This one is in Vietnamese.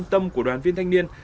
quan tâm của đoàn viên thanh niên